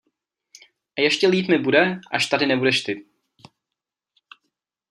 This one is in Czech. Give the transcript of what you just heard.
A ještě líp mi bude, až tady nebudeš ty.